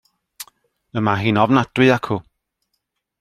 Y mae hi'n ofnadwy acw.